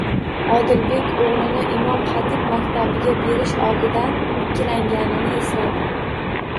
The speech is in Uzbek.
Odilbek o'g'lini Imom Xatib maktabiga berish oldidan ikkilanganini esladi.